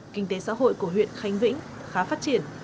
kinh tế xã hội của huyện khánh vĩnh khá phát triển